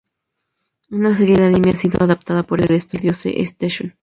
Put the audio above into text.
Una serie de Anime ha sido adaptada por el estudio C-Station.